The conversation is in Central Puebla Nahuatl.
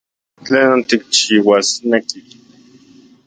¿Tlenon tikchiuasneki?